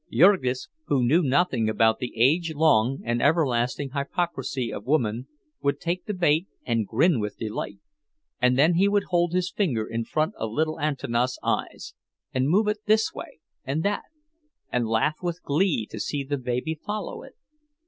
Jurgis, who knew nothing about the age long and everlasting hypocrisy of woman, would take the bait and grin with delight; and then he would hold his finger in front of little Antanas' eyes, and move it this way and that, and laugh with glee to see the baby follow it.